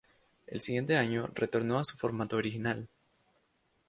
El siguiente año, retornó a su formato original.